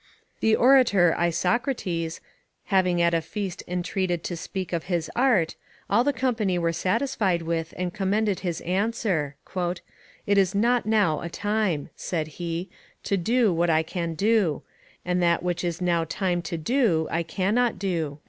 The orator Isocrates, being at a feast entreated to speak of his art, all the company were satisfied with and commended his answer: "It is not now a time," said he, "to do what I can do; and that which it is now time to do, I cannot do."